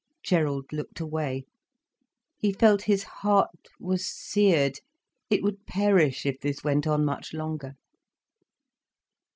Gerald looked away. He felt his heart was seared, it would perish if this went on much longer.